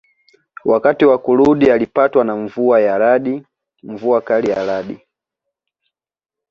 Wakati wa kurudi alipatwa na mvua ya radi mvua kali ya radi